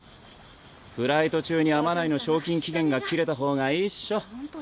フライト中に天内の賞金期限が切れた方がいいっしょ。